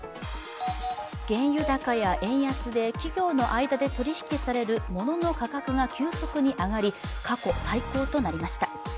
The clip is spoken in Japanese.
原油高や円安で企業の間で取り引きされるものの価格が急速に上がり、過去最高となりました。